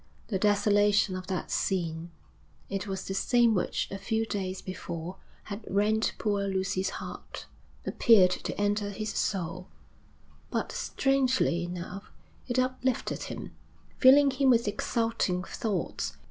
The desolation of that scene it was the same which, a few days before, had rent poor Lucy's heart appeared to enter his soul; but, strangely enough, it uplifted him, filling him with exulting thoughts.